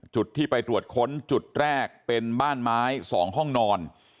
จุดที่ไปตรวจค้นจุดแรกเป็นบ้านไม้๒ห้องนอน